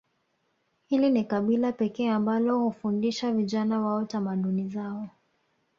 Hili ni kabila pekee ambalo huwafundisha vijana wao tamaduni zao